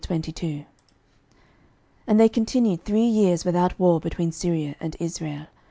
11:022:001 And they continued three years without war between Syria and Israel.